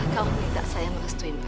kamu minta saya merestuin mereka